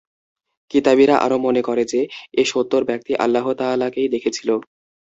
কিতাবীরা আরো মনে করে যে, এ সত্তর ব্যক্তি আল্লাহ তাআলাকে দেখেছিল।